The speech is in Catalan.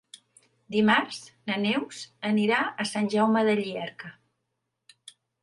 Dimarts na Neus anirà a Sant Jaume de Llierca.